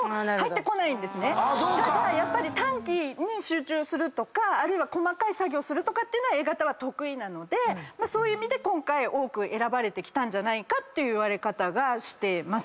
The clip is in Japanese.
だから短期に集中するとか細かい作業するとかっていうのはＡ型は得意なのでそういう意味で今回多く選ばれてきたんじゃないかていう言われ方がしてます。